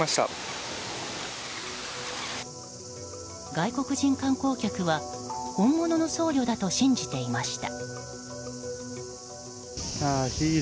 外国人観光客は本物の僧侶だと信じていました。